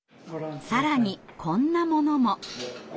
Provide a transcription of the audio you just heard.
更にこんなものも。